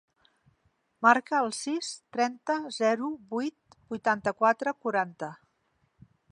Marca el sis, trenta, zero, vuit, vuitanta-quatre, quaranta.